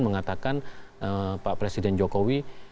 mengatakan pak presiden jokowi